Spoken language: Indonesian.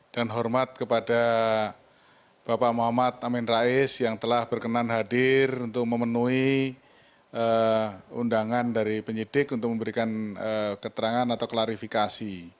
dan hormat kepada bapak muhammad amin rais yang telah berkenan hadir untuk memenuhi undangan dari penyidik untuk memberikan keterangan atau klarifikasi